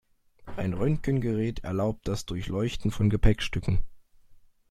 Ein Röntgengerät erlaubt das Durchleuchten von Gepäckstücken.